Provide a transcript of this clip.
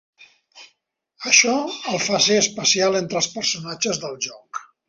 Això el fa ser especial entre els personatges del joc.